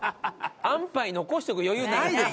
安パイ残しておく余裕ないです。